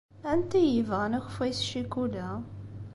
Anti ay yebɣan akeffay s ccikula?